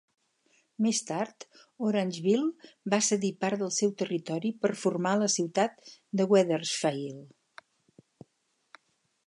Més tard, Orangeville va cedir part del seu territori per formar la ciutat de Wethersfield.